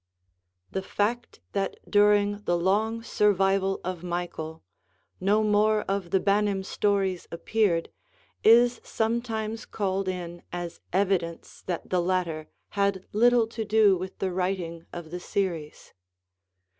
The fact that during the long survival of Michael no more of the Banim stories appeared, is sometimes called in as evidence that the latter had little to do with the writing of the series.